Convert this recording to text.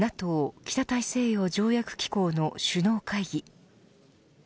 北大西洋条約機構の首脳会議。